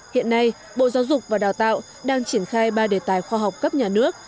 hiện nay bộ giáo dục và đào tạo đang triển khai ba đề tài khoa học cấp nhà nước